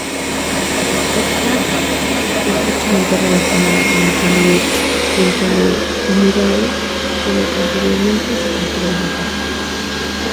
Está estrechamente relacionada con la familia Centrolenidae, de la que anteriormente se consideraba parte.